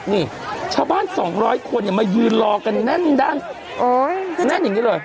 นี่ชาวบ้านสองร้อยคนเนี่ยมายืนรอกันนั่นดั้งโอ้ยแน่นอย่างงี้เลย